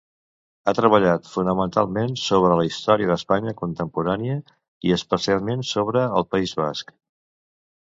Ha treballat fonamentalment sobre la història d'Espanya contemporània i, especialment, sobre el País Basc.